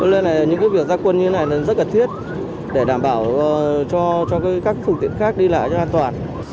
nên những việc gia quân như thế này rất cần thiết để đảm bảo cho các phương tiện khác đi lại an toàn